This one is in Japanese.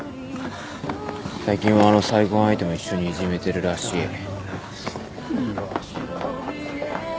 最近はあの再婚相手も一緒にいじめてるらしい。